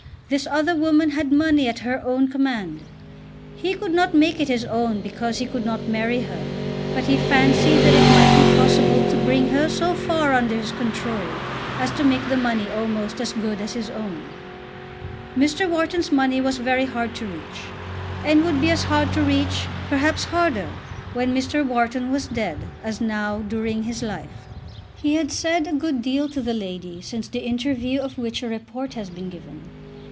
This other woman had money at her own command. He could not make it his own because he could not marry her, but he fancied that it might be possible to bring her so far under his control as to make the money almost as good as his own. Mr. Wharton's money was very hard to reach, and would be as hard to reach, perhaps harder, when Mr. Wharton was dead, as now, during his life. He had said a good deal to the lady since the interview of which a report has been given.